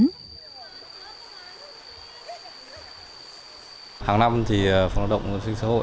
hàng năm phòng lao động doanh nghiệp xã hội